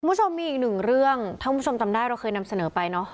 คุณผู้ชมมีอีกหนึ่งเรื่องถ้าคุณผู้ชมจำได้เราเคยนำเสนอไปเนอะ